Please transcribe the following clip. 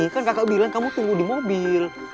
kan kakak bilang kamu tunggu di mobil